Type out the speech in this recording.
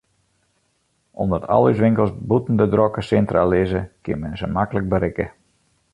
Omdat al ús winkels bûten de drokke sintra lizze, kin men se maklik berikke.